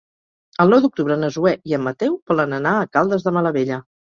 El nou d'octubre na Zoè i en Mateu volen anar a Caldes de Malavella.